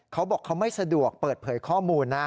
เขาบอกเขาไม่สะดวกเปิดเผยข้อมูลนะ